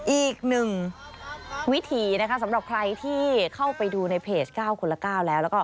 อีกหนึ่งวิธีสำหรับใครที่เข้าไปดูในเพจ๙คนละ๙แล้ว